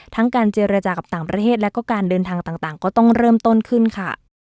การเจรจากับต่างประเทศและก็การเดินทางต่างก็ต้องเริ่มต้นขึ้นค่ะ